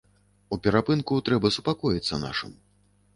У перапынку трэба супакоіцца нашым.